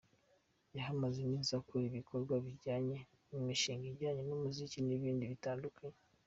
Yahamaze iminsi akora ibikorwa bijyanye n’imishinga ijyanye n’umuziki n’ibindi bitandukanye.